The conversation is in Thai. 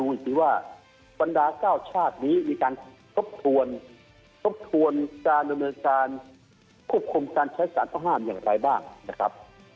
เนี่ยเมื่อสัปดาห์พระมันเองซึ่งผมเดินทางไปไปชุมที่โรมาเนียมานะครับ